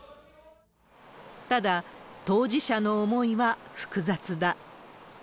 ただ、当事者の思いは複雑だ。